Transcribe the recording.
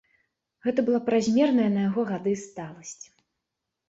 Гэта была празмерная на яго гады сталасць.